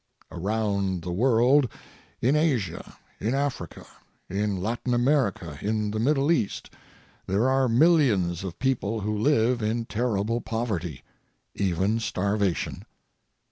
Around the world, in Asia, in Africa, in Latin America, in the Middle East, there are millions of people who live in terrible poverty, even starvation.